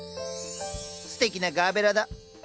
すてきなガーベラだ。